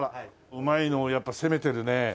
うまいのをやっぱ攻めてるね。